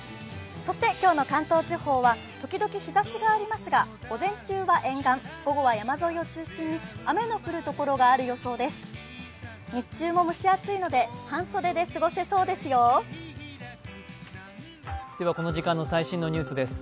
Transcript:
そして今日の関東地方は時々日ざしがありますが午前中は沿岸部、午後は山沿いを中心に雨の降るところがありそうです。